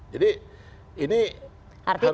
jadi ini harus dilihat